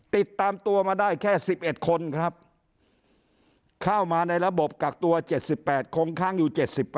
ติดตามตัวมาได้แค่๑๑คนครับเข้ามาในระบบกักตัว๗๘คงค้างอยู่๗๘